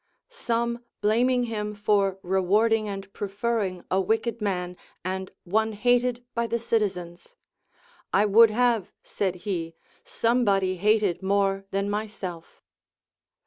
Some blaming him for rewarding and preferring a wicked man, and one hated by the citizens ; I would have, said he, somebody hated more than myself.